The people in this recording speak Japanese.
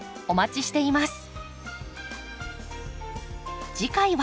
お待ちしています。